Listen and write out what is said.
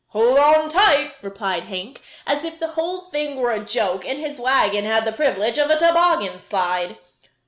"Hold on tight," replied Hank, as if the whole thing were a joke, and his wagon had the privilege of a toboggan slide.